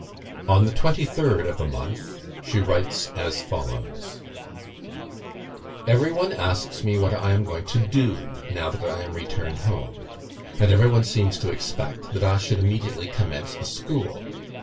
On the 23rd of the month she writes as follows: "Every one asks me what I am going to do, now that I am returned home; and every one seems to expect that I should immediately commence a school.